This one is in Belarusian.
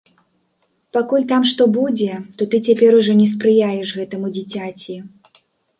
Пакуль там што будзе, то ты цяпер ужо не спрыяеш гэтаму дзіцяці.